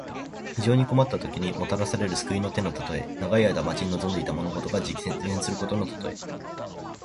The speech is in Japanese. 非常に困ったときに、もたらされる救いの手のたとえ。長い間待ち望んでいた物事が実現することのたとえ。